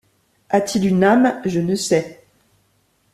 A-t-il une âme? je ne sais.